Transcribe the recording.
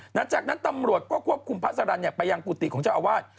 หลังจากนั้นตำรวจก็ควบคุมพระสรรคไปยังกุฏิของเจ้าอาวาส